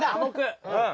うん。